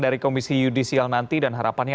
dari komisi yudisial nanti dan harapannya